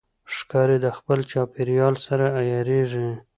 ښکاري د خپل چاپېریال سره عیارېږي.